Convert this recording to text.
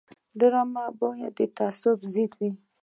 ډرامه باید د تعصب ضد وي